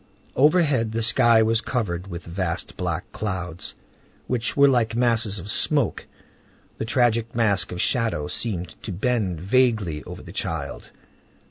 Overhead the sky was covered with vast black clouds, which were like masses of smoke. The tragic mask of shadow seemed to bend vaguely over the child.